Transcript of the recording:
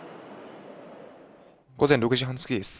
午前６時半過ぎです。